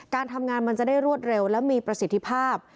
การทำงานมันจะได้รวดเร็วและมีประสิทธิภาพ